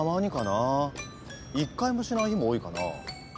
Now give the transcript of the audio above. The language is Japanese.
一回もしない日も多いかな。